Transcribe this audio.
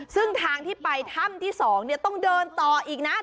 ซึ่งทางที่ไปถ้ำที่๒ต้องเดินต่ออีกนะ